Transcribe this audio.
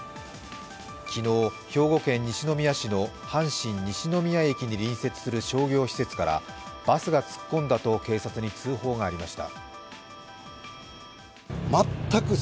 昨日、兵庫県西宮市の阪神西宮駅に隣接する商業施設からバスが突っ込んだと警察に通報がありました。